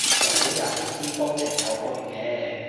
日本人唔知都情有可原嘅